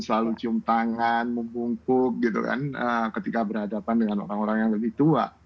selalu cium tangan membungkuk gitu kan ketika berhadapan dengan orang orang yang lebih tua